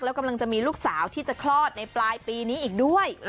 แล้วกำลังจะมีลูกสาวที่จะคลอดในปลายปีนี้อีกด้วย